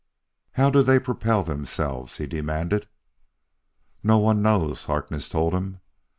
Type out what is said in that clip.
"How do they propel themselves?" he demanded. "No one knows," Harkness told him.